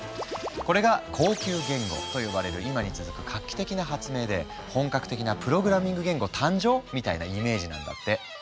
これが「高級言語」と呼ばれる今に続く画期的な発明で本格的なプログラミング言語誕生⁉みたいなイメージなんだって。